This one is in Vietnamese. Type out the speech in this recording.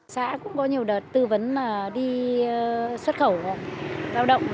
xã cũng có nhiều đợt tư vấn mà đi xuất khẩu lao động